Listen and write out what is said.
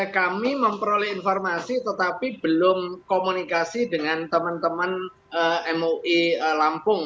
kami memperoleh informasi tetapi belum komunikasi dengan teman teman mui lampung